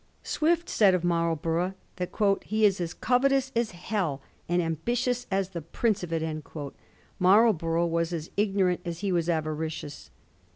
Swift said of Marlborough that * he is as covetous as hell, and ambitious as the prince of it.' Marl borough was as ignorant as he was avaricious.